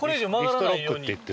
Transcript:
リストロックっていって。